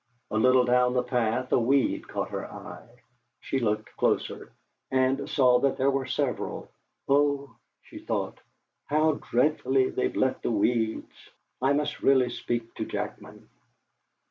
A little down the path a weed caught her eye; she looked closer, and saw that there were several. '.h,' she thought, 'how dreadfully they've let the weeds I must really speak to Jackman!'